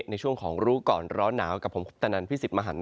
ในช่วงของรู้ก่อนร้อนหนาวกับผมคุปตนันพิสิทธิ์มหัน